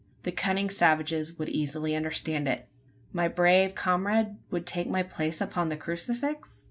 The cunning savages would easily understand it. My brave comrade would take my place upon the crucifix?